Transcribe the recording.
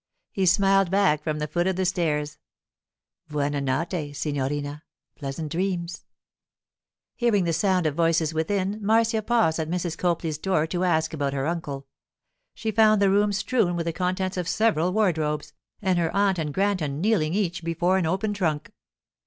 He smiled back from the foot of the stairs. 'Buona notte, signorina. Pleasant dreams!' Hearing the sound of voices within, Marcia paused at Mrs. Copley's door to ask about her uncle. She found the room strewn with the contents of several wardrobes, and her aunt and Granton kneeling each before an open trunk.